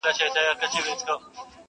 دریم یار په ځان مغرور نوم یې دولت وو!.